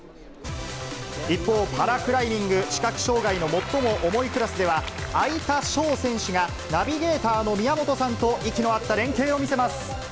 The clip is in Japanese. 一方、パラクライミング、視覚障がいの最も重いクラスでは、會田祥選手が、ナビゲーターの宮本さんと息の合った連携を見せます。